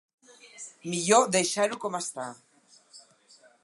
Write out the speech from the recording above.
Millor deixar-ho com està.